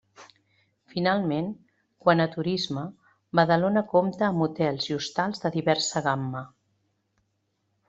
Finalment, quant a turisme, Badalona compta amb hotels i hostals de diversa gamma.